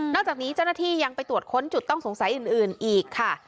จากนี้เจ้าหน้าที่ยังไปตรวจค้นจุดต้องสงสัยอื่นอีกค่ะ